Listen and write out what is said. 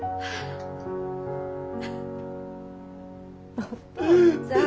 お父ちゃん。